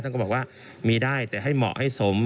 ก็บอกว่ามีได้แต่ให้เหมาะให้สม